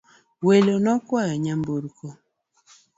Welo nokwayo nyamburko